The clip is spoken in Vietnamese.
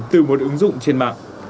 từ một ứng dụng trên mạng